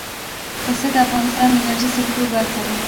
پسه د افغانستان د انرژۍ د سکتور برخه ده.